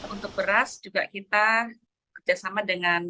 untuk beras juga kita kerjasama dengan